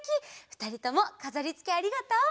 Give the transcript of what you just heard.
ふたりともかざりつけありがとう！